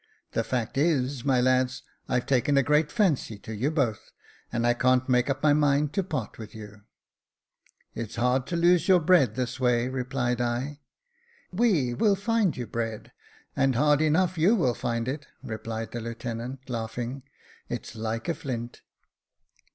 The fact is, my lads, I've taken a great fancy to you both, and I can't make up my mind to part with you." *' It's hard to lose our bread, this way," replied I. "We will find you bread, and hard enough you will find it," replied the lieutenant, laughing; "it's like a flint."